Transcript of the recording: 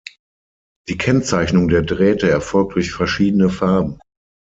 Die Kennzeichnung der Drähte erfolgt durch verschiedene Farben.